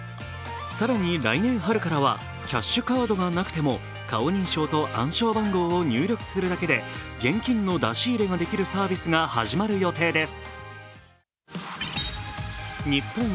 更に、来年春からはキャッシュカードがなくても顔認証と暗証番号を入力するだけで現金の出し入れができるサービスが始まる予定です。